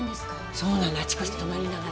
そうなのあちこち泊まりながら。